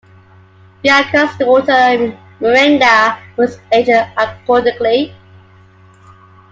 Bianca's daughter, Miranda, was aged accordingly.